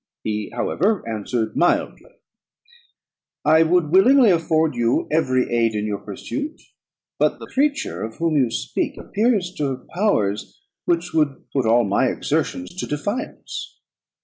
He, however, answered mildly, "I would willingly afford you every aid in your pursuit; but the creature of whom you speak appears to have powers which would put all my exertions to defiance.